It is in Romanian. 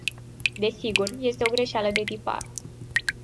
Desigur, este o greșeală de tipar.